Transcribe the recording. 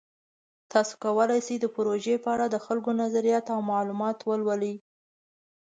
تاسو کولی شئ د پروژې په اړه د خلکو نظریات او معلومات ولولئ.